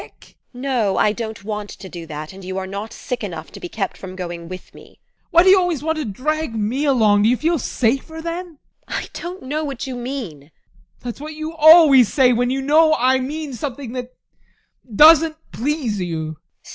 TEKLA, No, I don't want to do that, and you are not sick enough to be kept from going with me. ADOLPH. Why do you always want to drag me along? Do you feel safer then? TEKLA. I don't know what you mean. ADOLPH. That's what you always say when you know I mean something that doesn't please you.